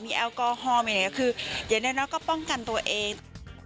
มีแอลกอฮอล์อะไรอย่างนี้คืออย่างนั้นก็ป้องกันตัวเอง